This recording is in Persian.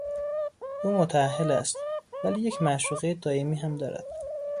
او متاهل است ولی یک معشوقهی دایمی هم دارد.